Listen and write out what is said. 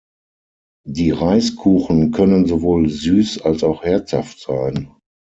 Die Reiskuchen können sowohl süß als auch herzhaft sein.